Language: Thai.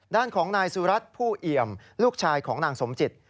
ด้านของนายสุรัตน์ผู้เอี่ยมลูกชายของนางสมจิต